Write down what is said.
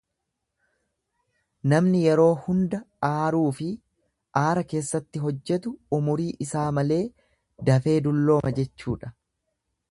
Namni yeroo hunda aaruufi aara keessatti hojjetu umurii isaa malee dafee dullooma jechuudha.